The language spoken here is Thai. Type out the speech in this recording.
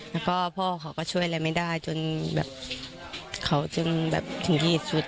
แล้วก็พ่อเขาก็ช่วยอะไรไม่ได้จนแบบเขาจึงแบบถึงที่สุด